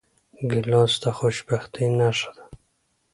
ګیلاس د خوشبختۍ نښه ده.